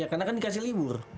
karena kan dikasih libur